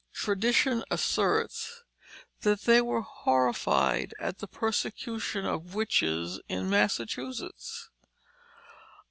Tradition asserts that they were horrified at the persecution of witches in Massachusetts.